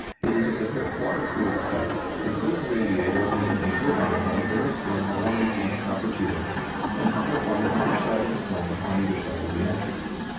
It is of the water cooled type, the cooling radiator being a gridiron of very thin ⅛ inch copper tubing, and hung up on the under side of the plane on either side of the engine.